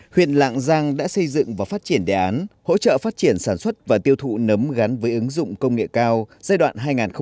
huyện lạng giang đã xây dựng và phát triển đề án hỗ trợ phát triển sản xuất và tiêu thụ nấm gắn với ứng dụng công nghệ cao giai đoạn hai nghìn một mươi sáu hai nghìn hai mươi